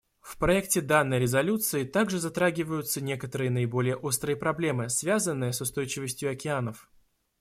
В проекте данной резолюции также затрагиваются некоторые наиболее острые проблемы, связанные с устойчивостью океанов.